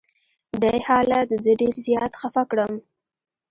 دې حالت زه ډېر زیات خفه کړم.